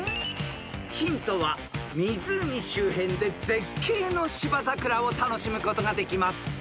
［ヒントは湖周辺で絶景の芝桜を楽しむことができます］